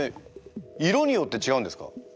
色によって違うんですか？